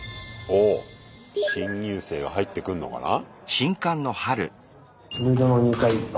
おっ新入生が入ってくんのかな。